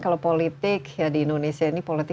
kalau politik ya di indonesia ini politik